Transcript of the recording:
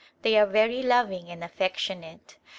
Thev are very loving and affectionate.